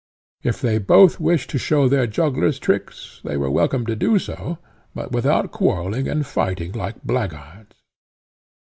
If they both wished to show their juggler's tricks, they were welcome to do so, but without quarrelling and fighting like blackguards.